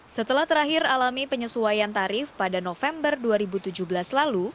setelah terakhir alami penyesuaian tarif pada november dua ribu tujuh belas lalu